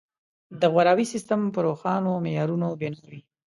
د غوراوي سیستم په روښانو معیارونو بنا وي.